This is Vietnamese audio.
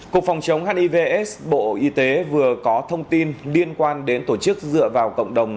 cục phòng chống hivs bộ y tế vừa có thông tin liên quan đến tổ chức dựa vào cộng đồng